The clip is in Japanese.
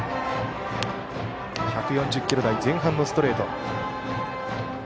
１４０キロ台前半のストレート。